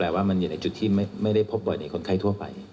แต่ว่ามันอยู่ในจุดที่ไม่ได้พบบ่อยในคนไข้ทั่วไป